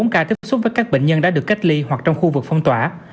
một trăm linh bốn ca tiếp xúc với các bệnh nhân đã được cách ly hoặc trong khu vực phong tỏa